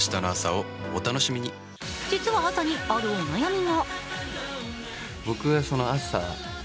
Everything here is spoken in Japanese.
実は朝にあるお悩みが。